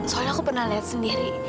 soalnya aku pernah lihat sendiri